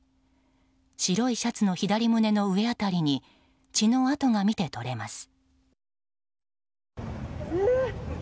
白いシャツの左胸の上辺りに血の痕が見て取れます。